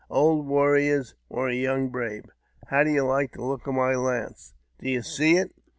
Old warriors, or a young brave? How do you like the look of my lance ? Do you see it